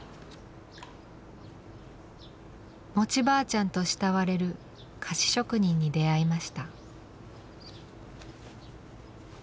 「餅ばあちゃん」と慕われる菓子職人に出会いました。